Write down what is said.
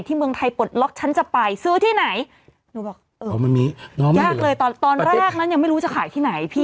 ที่เมืองไทยปลดล็อกชั้นจะไปซื้อที่ไหนยังไม่รู้จะขายที่ไหน